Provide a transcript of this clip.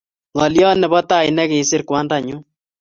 Ngolyot nebo tai negisiir kwandanyu